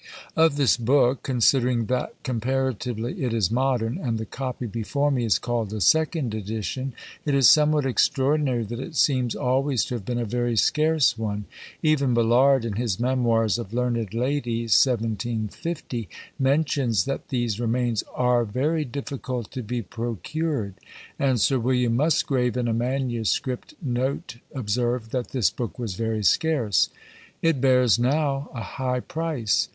Of this book, considering that comparatively it is modern, and the copy before me is called a second edition, it is somewhat extraordinary that it seems always to have been a very scarce one. Even Ballard, in his Memoirs of Learned Ladies (1750), mentions that these remains "are very difficult to be procured;" and Sir William Musgrave in a manuscript note observed, that "this book was very scarce." It bears now a high price.